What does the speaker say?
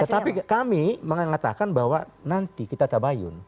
tapi kami mengatakan bahwa nanti kita tabayun